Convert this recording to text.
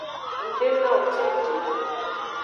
Ng de nawo cenji o.